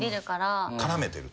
絡めてると？